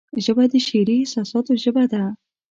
ژبه د شعري احساساتو ژبه ده